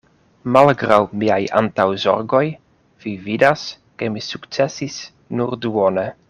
Malgraŭ miaj antaŭzorgoj, vi vidas, ke mi sukcesis nur duone.